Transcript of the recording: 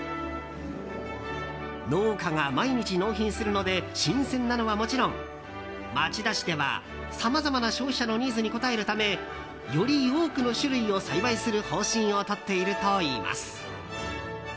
農家が毎日納品するので新鮮なのはもちろん町田市では、さまざまな消費者のニーズに応えるためより多くの種類を栽培する方針をとっているといいます。